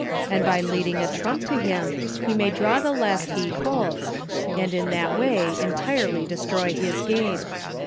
and by leading a trump to him he may draw the last he holds, and in that way entirely destroy his game.